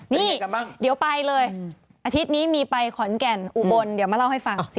นี่เดี๋ยวไปเลยอาทิตย์นี้มีไปขอนแก่นอุบลเดี๋ยวมาเล่าให้ฟัง